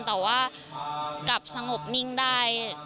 แต่ว่ากลับสงบนิ่งได้